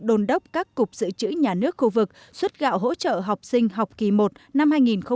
đồn đốc các cục dự trữ nhà nước khu vực xuất gạo hỗ trợ học sinh học kỳ i năm hai nghìn một mươi chín hai nghìn hai mươi